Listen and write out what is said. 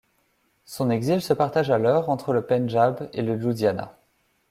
Son exil se partage alors entre le Pendjab et le Ludhiana.